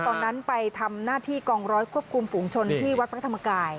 ตอนนั้นไปทำหน้าที่กองร้อยควบคุมฝูงชนที่วัดพระธรรมกาย